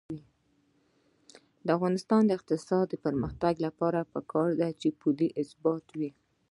د افغانستان د اقتصادي پرمختګ لپاره پکار ده چې پولي ثبات وي.